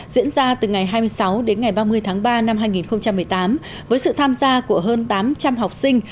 diễn ra từ ngày hai mươi sáu đến ngày ba mươi tháng ba năm hai nghìn một mươi tám với sự tham gia của hơn tám trăm linh học sinh